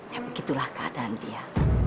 ya begitulah keadaan dia